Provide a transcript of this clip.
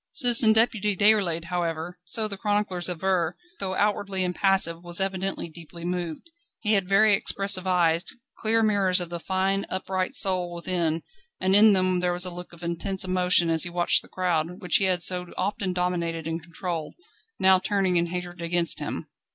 Citizen Deputy Déroulède, however, so the chroniclers aver, though outwardly impassive, was evidently deeply moved. He had very expressive eyes, clear mirrors of the fine, upright soul within, and in them there was a look of intense emotion as he watched the crowd, which he had so often dominated and controlled, now turning in hatred against him.